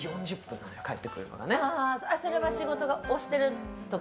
それは、仕事が押してるとか。